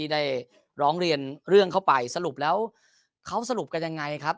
ได้ร้องเรียนเรื่องเข้าไปสรุปแล้วเขาสรุปกันยังไงครับ